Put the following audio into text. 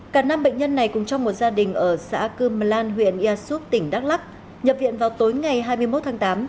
cả năm bệnh nhân này cùng trong một gia đình ở xã cư m lan huyện ia súc tỉnh đắk lắc nhập viện vào tối ngày hai mươi một tháng tám